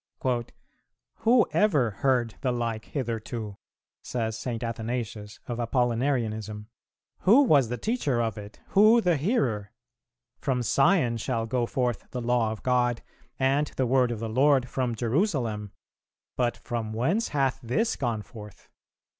"Who ever heard the like hitherto?" says St. Athanasius, of Apollinarianism; "who was the teacher of it, who the hearer? 'From Sion shall go forth the Law of God, and the Word of the Lord from Jerusalem;' but from whence hath this gone forth?